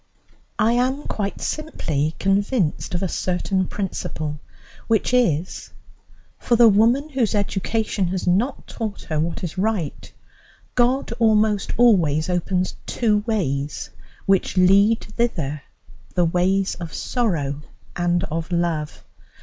I am quite simply convinced of a certain principle, which is: For the woman whose education has not taught her what is right, God almost always opens two ways which lead thither the ways of sorrow and of love.